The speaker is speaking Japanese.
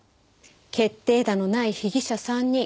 決定打のない被疑者３人。